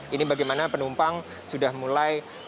ini bagaimana penumpang sudah mulai